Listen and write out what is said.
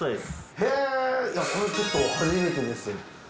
へぇそれはちょっと初めてです。